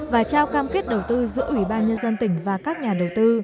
và trao cam kết đầu tư giữa ủy ban nhân dân tỉnh và các nhà đầu tư